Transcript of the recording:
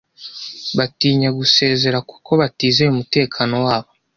batinya gusezera kuko batizeye umutekano wabo